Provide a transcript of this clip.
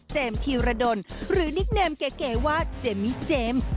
ธีรดลหรือนิกเนมเก๋ว่าเจมมี่เจมส์